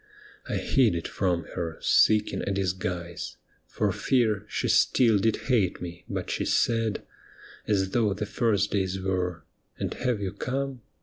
I hid it from her, seeking a disguise. For fear she still did hate me, but she said, As though the first days were, ' And have you come